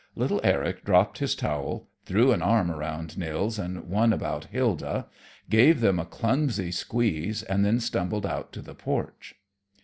Little Eric dropped his towel, threw an arm about Nils and one about Hilda, gave them a clumsy squeeze, and then stumbled out to the porch.